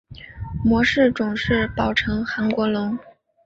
模式种是宝城韩国龙。